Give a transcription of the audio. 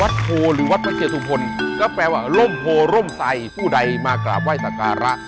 วัดโภห์หรือวัดประเทียทุ่มพลก็แปลว่าร่มโภห์ร่มไทยผู้ใดมากราบไหว้สักการะ